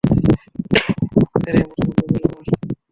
কিন্তু তাদের এ মত অত্যন্ত দুর্বল।